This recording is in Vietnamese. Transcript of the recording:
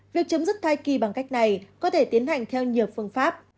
việc chấm dứt thai kỳ bằng cách này có thể tiến hành theo nhiều phương pháp